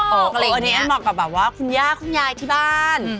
อันนี้แอนเหมาะกับแบบว่าคุณย่าคุณยายที่บ้าน